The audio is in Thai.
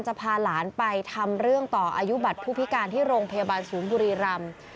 พาหลานไปทำเรื่องต่ออายุบัตรผู้พิการที่โรงพยาบาลศูนย์บุรีรำ